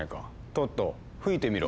トット吹いてみろ。